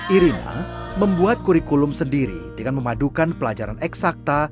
irina membuat kurikulum sendiri dengan memadukan pelajaran eksakta